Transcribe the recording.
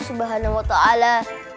subhanahu wa ta'ala